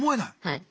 はい。